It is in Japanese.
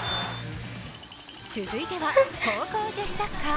続いては高校女子サッカー。